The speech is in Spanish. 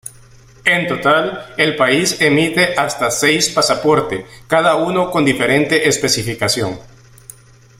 En total, el país emite hasta seis pasaporte, cada uno con diferente especificación.